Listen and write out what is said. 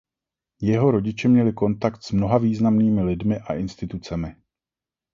Jeho rodiče měli kontakt s mnoha významnými lidmi a institucemi.